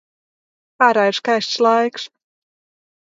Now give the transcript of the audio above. Ārā ir skaists laiks.